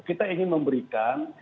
kita ingin memberikan